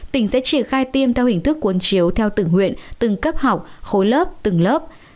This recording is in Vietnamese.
tỉnh sẽ triển khai tiêm theo hình thức cuốn chiếu theo từng huyện từng cấp học khối lớp từng lớp